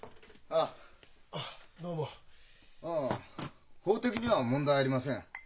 ああ法的には問題ありません。